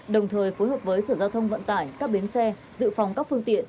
đồng thời phối hợp với sở giao thông vận tải các bến xe dự phòng các phương tiện